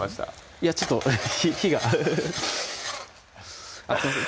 いやちょっと火がハハハあっすいません